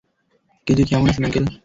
Keiji কেমন আছেন, uncle?